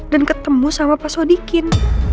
dan ketemu sama pak sodikin